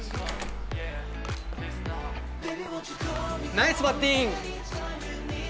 ナイスバッティング！